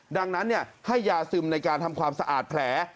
ดังนั้นให้ยาซึมในการทำความสะอาดแผล